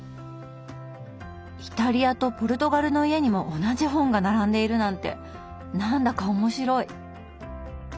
イタリアとポルトガルの家にも同じ本が並んでいるなんて何だか面白い。